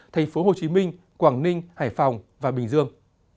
thành phố hồ chí minh quảng ninh hải phòng và bình dương